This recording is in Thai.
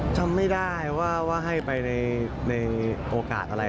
จำไม่ได้ว่าให้ไปในโอกาสอะไร